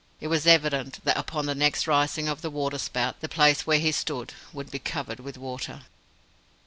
It was evident that upon the next rising of the water spout the place where he stood would be covered with water.